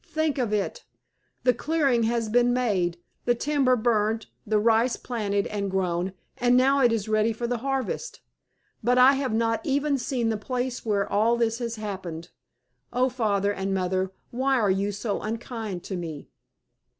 Think of it! The clearing has been made, the timber burned, the rice planted and grown, and now it is ready for the harvest. But I have not even seen the place where all this has happened. O Father and Mother, why are you so unkind to me?"